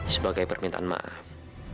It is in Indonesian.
sebagai permintaan maaf